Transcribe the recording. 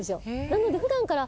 なので普段から。